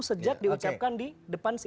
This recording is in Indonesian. sejak diucapkan di depan